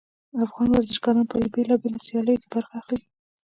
افغان ورزشګران په بیلابیلو سیالیو کې برخه اخلي